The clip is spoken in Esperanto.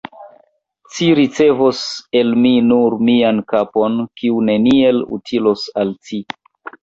Ci ricevos el mi nur mian kapon, kiu neniel utilos al ci.